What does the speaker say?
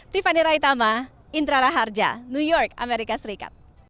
tiffany raitama intra harja new york amerika serikat